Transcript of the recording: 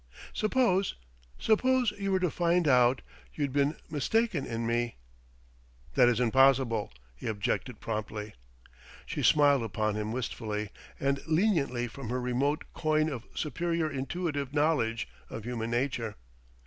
Suppose ... suppose you were to find out ... you'd been mistaken in me?" "That isn't possible," he objected promptly. She smiled upon him wistfully and leniently from her remote coign of superior intuitive knowledge of human nature.